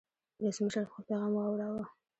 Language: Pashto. ولسمشر خپل پیغام واوراوه.